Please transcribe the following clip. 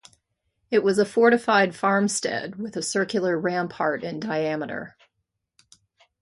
It was a fortified farmstead with a circular rampart in diameter.